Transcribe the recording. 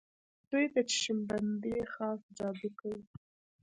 دوی د چشم بندۍ خاص جادو کوي.